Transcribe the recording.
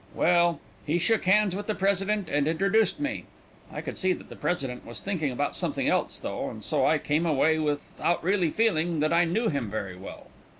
"Well, he shook hands with the President, and introduced me. I could see that the President was thinking about something else, though, and so I came away without really feeling that I knew him very well.